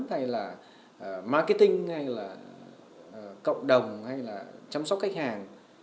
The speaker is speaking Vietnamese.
hay là marketing hay là cộng đồng hay là chăm sóc khách hàng